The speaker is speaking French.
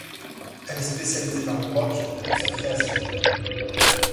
Elle est spécialisée dans le rock depuis sa création.